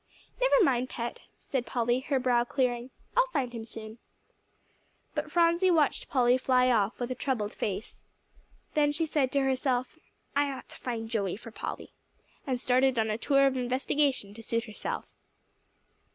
"Never mind, Pet," said Polly, her brow clearing, "I'll find him soon." But Phronsie watched Polly fly off, with a troubled face. Then she said to herself, "I ought to find Joey for Polly," and started on a tour of investigation to suit herself.